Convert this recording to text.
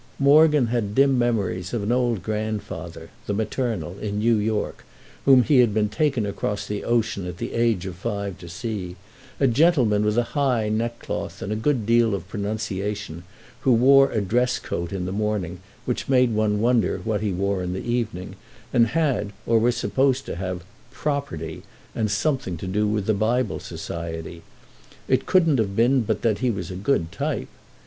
Morgan had dim memories of an old grandfather, the maternal, in New York, whom he had been taken across the ocean at the age of five to see: a gentleman with a high neck cloth and a good deal of pronunciation, who wore a dress coat in the morning, which made one wonder what he wore in the evening, and had, or was supposed to have "property" and something to do with the Bible Society. It couldn't have been but that he was a good type.